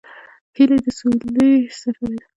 هیلۍ د سولې سفیره ده